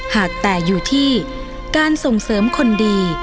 หากแต่อยู่ที่การส่งเสริมคนดี